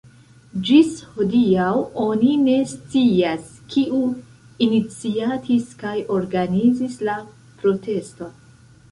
Ĝis hodiaŭ oni ne scias, kiu iniciatis kaj organizis la proteston.